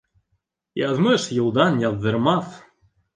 Яҙмыш юлдан яҙҙырмаҫ.